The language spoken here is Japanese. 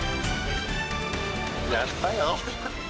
やったよ。